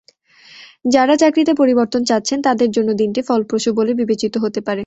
যাঁরা চাকরিতে পরিবর্তন চাচ্ছেন তাঁদের জন্য দিনটি ফলপ্রসূ বলে বিবেচিত হতে পারে।